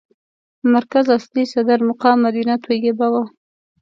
مرکز اصلي صدر مقام مدینه طیبه وه.